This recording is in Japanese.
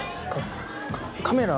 カカメラ。